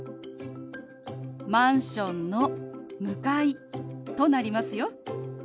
「マンションの向かい」となりますよ。